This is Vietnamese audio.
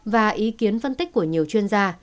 và ý kiến phân tích của nhiều chuyên gia